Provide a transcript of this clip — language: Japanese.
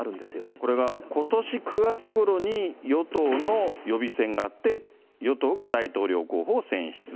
これがことし９月ごろに、与党の予備選があって、与党が大統領候補を選出。